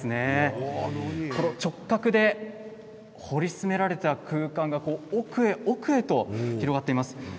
直角で掘り進められた空間が奥へ奥へと広がっています。